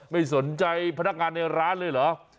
ไม่สนใจพนักงานในร้านเลยเหรอ